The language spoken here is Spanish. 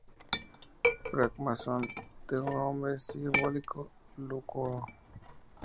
Francmasón de nombre simbólico Lúculo.